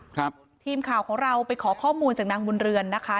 ครับทีมข่าวของเราไปขอข้อมูลจากนางบุญเรือนนะคะ